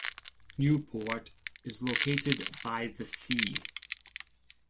Nieuwpoort is located by the sea.